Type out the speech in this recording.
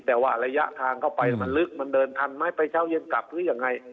แต่ว่าระยะทางเข้าไปมันลึกมันเดินทันไหมไปเช้าเย็นกลับหรือยังไง